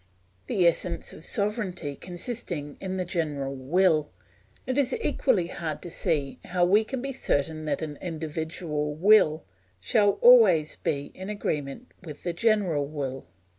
The essence of sovereignty consisting in the general will, it is equally hard to see how we can be certain that an individual will shall always be in agreement with the general will.